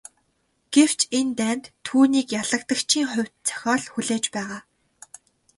Гэвч энэ дайнд түүнийг ялагдагчийн хувь зохиол хүлээж байгаа.